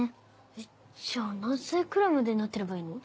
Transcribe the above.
えっじゃあ何歳くらいまでになってればいいの？